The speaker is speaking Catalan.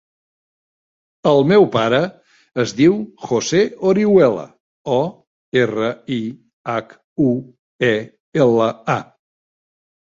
El meu pare es diu José Orihuela: o, erra, i, hac, u, e, ela, a.